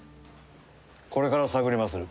これから探りまする。